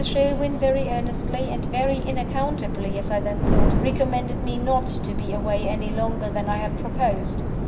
Sherwin very earnestly, and very inaccountably as I then thought, recommended me not to be away any longer than I had proposed.